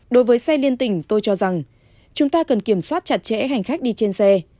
đối với xe liên tỉnh tôi cho rằng chúng ta cần kiểm soát chặt chẽ hành khách đi trên xe